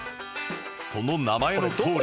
その名前のとおり